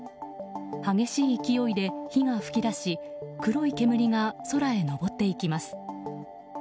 激しい勢いで火が噴き出し黒い煙が空へ上っていきます。